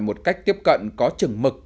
một cách tiếp cận có chừng mực